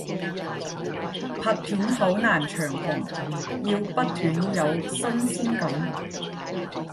拍片好難長紅，要不斷有新鮮感